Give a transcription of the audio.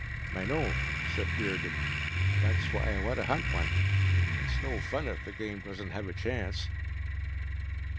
"I know," said Riordan. "That's why I want to hunt one. It's no fun if the game doesn't have a chance."